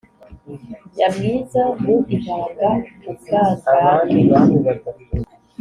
Nyamwiza mu ibanga-Umwangange.